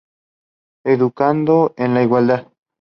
Educando en la igualdad.